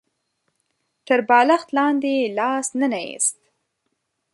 تر بالښت لاندې يې لاس ننه ايست.